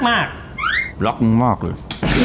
เหมือนจริงมากเลย